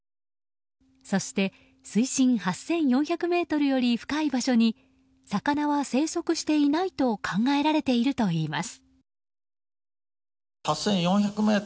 そして、水深８４００ｍより深い場所に魚は生息していないと考えられているといいます。